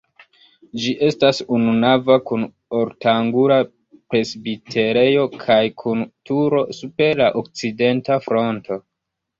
Ĝi estas ununava kun ortangula presbiterejo kaj kun turo super la okcidenta fronto.